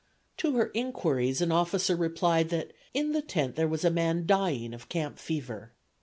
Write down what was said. To her inquiries an officer replied that in the tent there was a man dying of camp fever.